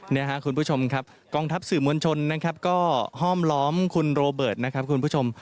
นี่ครับคุณผู้ชมครับกองทัพสื่อมวลชนนะครับก็ห้อมล้อมคุณโรเบิร์ตนะครับคุณผู้ชม